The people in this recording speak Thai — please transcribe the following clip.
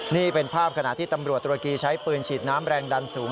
นี่เป็นภาพขณะที่ตำรวจตุรกีใช้ปืนฉีดน้ำแรงดันสูง